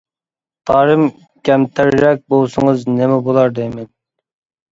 تارىم، كەمتەررەك بولسىڭىز نېمە بولار دەيمەن.